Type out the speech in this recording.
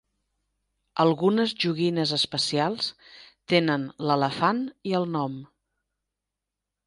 Algunes joguines especials tenen l'elefant i el nom.